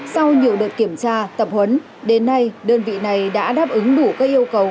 sau nhiều đợt kiểm tra tập huấn đến nay đơn vị này đã đáp ứng đủ các yêu cầu